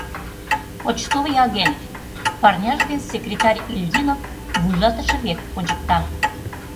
Почтовый агент, — парняж дене секретарь Ильинов вуйлатыше век ончыкта.